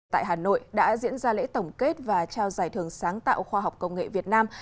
tại hà nội đã diễn ra lễ tổng kết và trao giải thưởng sáng tạo khoa học công nghệ việt nam